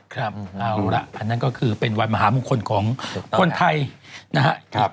ครับเอาล่ะอันนั้นก็คือเป็นวันมหามงคลของคนไทยนะครับ